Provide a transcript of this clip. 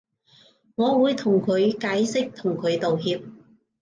我會同佢解釋同佢道歉